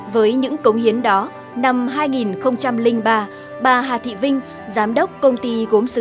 với những cống hiến đó năm hai nghìn ba bà hà thị vinh giám đốc công ty gốm sứ